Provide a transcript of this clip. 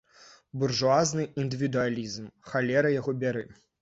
Буржуазны індывідуалізм, халера яго бяры!